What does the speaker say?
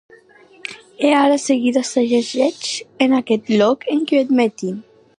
E ara seguida s’ajacèc en aqueth lòc enquiath maitin.